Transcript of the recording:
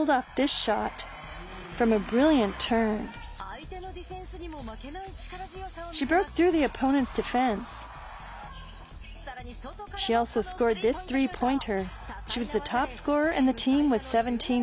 相手のディフェンスにも負けない力強さを見せます。